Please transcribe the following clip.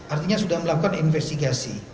artinya sudah melakukan investigasi